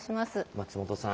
松本さん。